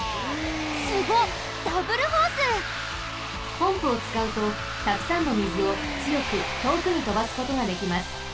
ポンプをつかうとたくさんのみずをつよくとおくにとばすことができます。